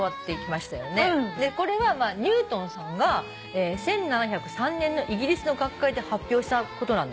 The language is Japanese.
これはまあニュートンさんが１７０３年のイギリスの学会で発表したことなんですって。